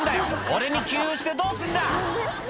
俺に給油してどうすんだ」